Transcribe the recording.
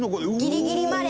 「ギリギリまで」